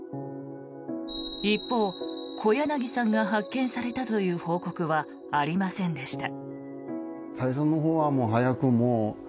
一方小柳さんが発見されたという報告はありませんでした。